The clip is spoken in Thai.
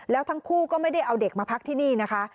แล้วทั้งคู่ก็ไม่ได้เอาเด็กมาพักที่นี่นะคะ